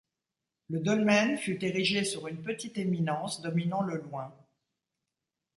Le dolmen fut érigé sur une petite éminence dominant le Loing.